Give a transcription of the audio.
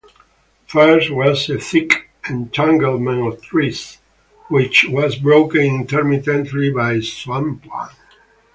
First was a thick entanglement of trees, which was broken intermittently by swampland.